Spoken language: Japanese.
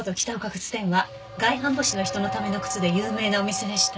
靴店は外反母趾の人のための靴で有名なお店でした。